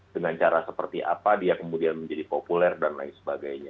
dengan cara seperti apa dia kemudian menjadi populer dan lain sebagainya